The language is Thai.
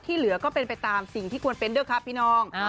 เหลือก็เป็นไปตามสิ่งที่ควรเป็นด้วยครับพี่น้อง